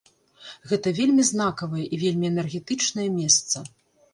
Гэта вельмі знакавае і вельмі энергетычнае месца.